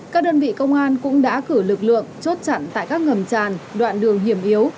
các đơn vị công an cũng đã cử lực lượng chốt chặn tại các ngầm tràn đoạn đường hiểm yếu